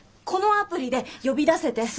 このアプリで呼び出せて。